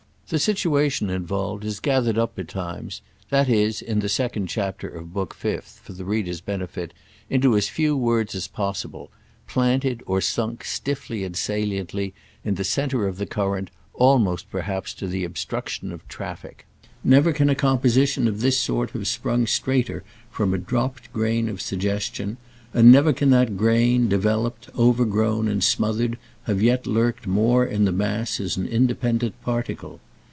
The situation involved is gathered up betimes, that is in the second chapter of Book Fifth, for the reader's benefit, into as few words as possible—planted or "sunk," stiffly and saliently, in the centre of the current, almost perhaps to the obstruction of traffic. Never can a composition of this sort have sprung straighter from a dropped grain of suggestion, and never can that grain, developed, overgrown and smothered, have yet lurked more in the mass as an independent particle.